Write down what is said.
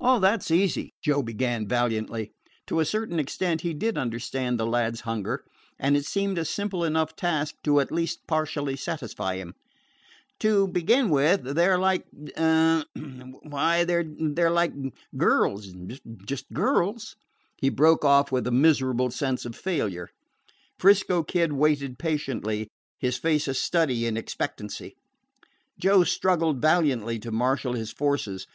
"Oh, that 's easy," Joe began valiantly. To a certain extent he did understand the lad's hunger, and it seemed a simple enough task to at least partially satisfy him. "To begin with, they 're like hem! why, they 're like girls, just girls." He broke off with a miserable sense of failure. 'Frisco Kid waited patiently, his face a study in expectancy. Joe struggled valiantly to marshal his forces.